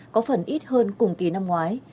có phần ít hơn cùng kỳ năm ngoái